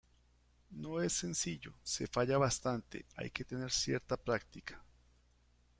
No es sencillo, se falla bastante, hay que tener cierta práctica.